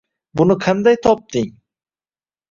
Buni qanday topding